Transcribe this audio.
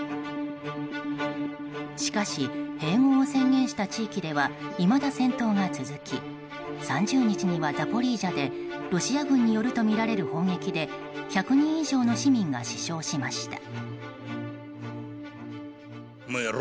しかし、併合を宣言した地域ではいまだ戦闘が続き３０日にはザポリージャでロシア軍によるとみられる砲撃で１００人以上の市民が死傷しました。